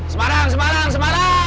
semarang semarang semarang